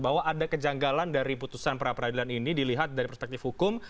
bahwa ada kejanggalan dari putusan pra peradilan ini dilihat dari perspektif hukum